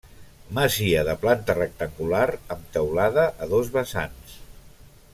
Masia de planta rectangular amb teulada a dos vessants.